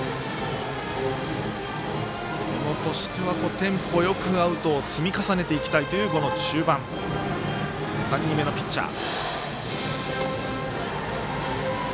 テンポよく、アウトを積み重ねていきたいという中盤３人目のピッチャー。